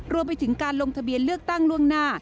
รวมไปถึงการลงทะเบียนเลือกตั้งล่วงหน้า